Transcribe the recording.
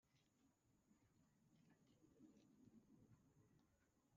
duhanganye n'ubuzima kimwe n'abandi